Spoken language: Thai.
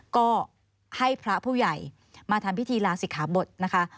ก็ให้พระผู้ใหญ่มาทำพิธีลาศิกขาบทนะคะ